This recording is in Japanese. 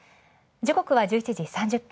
時刻は１１時３０分。